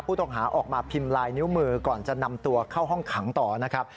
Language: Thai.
ผู้ต้องหาออกมาพิมพ์ลายนิ้วมือก่อนจะนำตัวเข้าห้องขังต่อนะครับ